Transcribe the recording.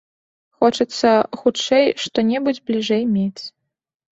Хочацца хутчэй што-небудзь бліжэй мець.